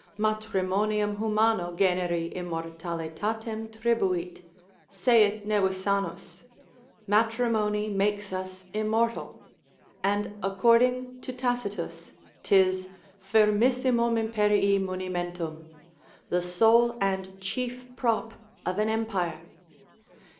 Matrimonium humano generi immortalitatem tribuit, saith Nevisanus, matrimony makes us immortal, and according to Tacitus, 'tis firmissimum imperii munimentum, the sole and chief prop of an empire.